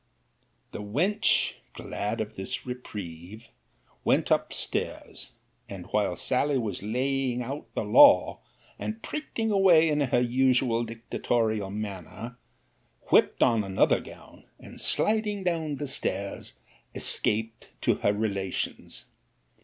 'The wench, glad of this reprieve, went up stairs; and while Sally was laying out the law, and prating away in her usual dictorial manner, whipt on another gown, and sliding down the stairs, escaped to her relations.